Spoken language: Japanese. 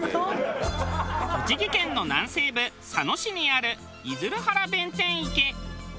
栃木県の南西部佐野市にある出流原弁天池。